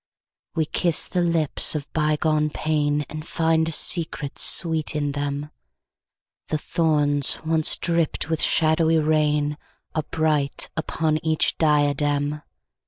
We kiss the lips of bygone painAnd find a secret sweet in them:The thorns once dripped with shadowy rainAre bright upon each diadem.